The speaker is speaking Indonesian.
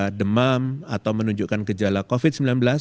jika mereka demam atau menunjukkan gejala covid sembilan belas